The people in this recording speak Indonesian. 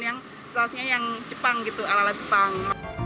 yang sausnya yang jepang gitu ala ala jepang